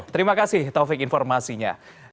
terima kasih taufik informasinya